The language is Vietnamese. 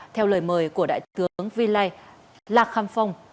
theo lời mời của đại tướng vi lai lạc kham phong